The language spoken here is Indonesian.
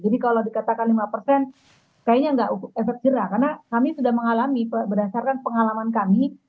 jadi kalau dikatakan lima kayaknya enggak efek jerah karena kami sudah mengalami berdasarkan pengalaman kami